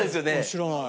知らない。